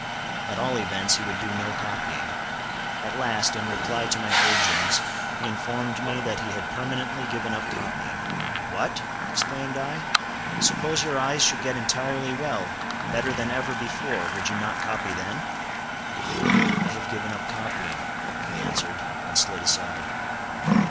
At all events, he would do no copying. At last, in reply to my urgings, he informed me that he had permanently given up copying. "What!" exclaimed I; "suppose your eyes should get entirely well—better than ever before—would you not copy then?" "I have given up copying," he answered, and slid aside.